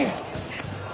よし。